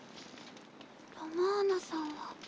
ロマーナさんは。